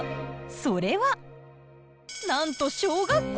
それはなんと小学校！